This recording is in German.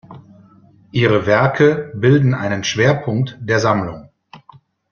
Ihre Werke bilden einen Schwerpunkt der Sammlung.